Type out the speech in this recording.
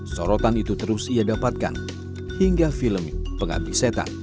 sorotan itu terus ia dapatkan hingga film pengabdi setan